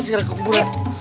ayo sekarang aku buruan